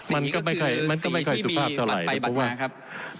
มันก็ไม่ค่อยสุภาพเท่าไหร่